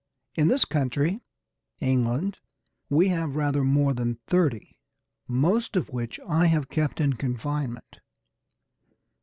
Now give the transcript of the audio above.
In this country (England) we have rather more than thirty, most of which I have kept in confinement.